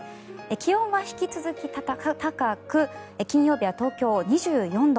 気温は引き続き高く金曜日は東京２４度。